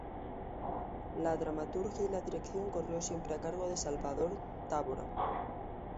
La dramaturgia y la dirección corrió siempre a cargo de Salvador Távora.